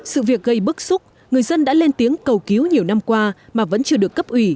sự việc gây bức xúc người dân đã lên tiếng cầu cứu nhiều năm qua mà vẫn chưa được cấp ủy